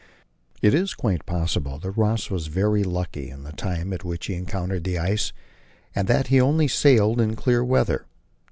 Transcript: It is quite possible that Ross was very lucky in the time at which he encountered the ice, and that he only sailed in clear weather.